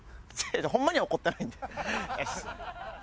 ホンマには怒ってないんで。